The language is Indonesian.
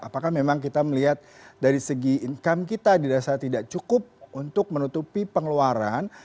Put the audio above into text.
apakah memang kita melihat dari segi income kita dirasa tidak cukup untuk menutupi pengeluaran